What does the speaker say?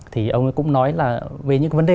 thì ông ấy cũng nói là về những vấn đề